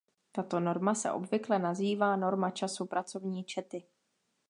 Tato norma se obvykle nazývá norma času pracovní čety.